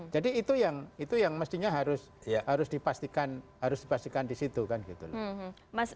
jadi itu yang mestinya harus dipastikan di situ kan gitu loh